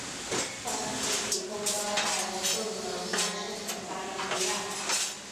他们比普通的矮人更能耐受魔法与毒药。